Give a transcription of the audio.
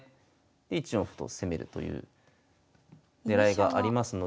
１四歩と攻めるというねらいがありますので。